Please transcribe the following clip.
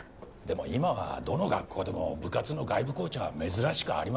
でも今はどの学校でも部活の外部コーチは珍しくありません。